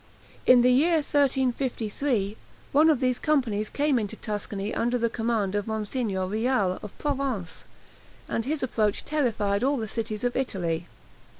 In the year 1353 one of these companies came into Tuscany under the command of Monsignor Reale, of Provence, and his approach terrified all the cities of Italy.